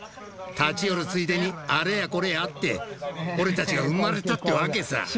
立ち寄るついでにあれやこれやあって俺たちが生まれたってわけさ。